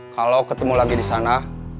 kalau ketemu lagi disana